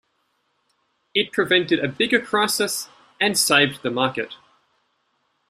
It prevented a bigger crisis and saved the market.